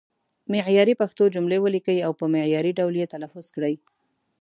معیاري پښتو جملې ولیکئ او په معیاري ډول یې تلفظ کړئ.